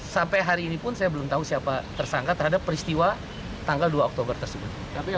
sampai hari ini pun saya belum tahu siapa tersangka terhadap peristiwa tanggal dua oktober tersebut